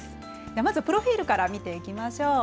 まずプロフィールから見ていきましょう。